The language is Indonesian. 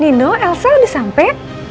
nino elsa udah sampe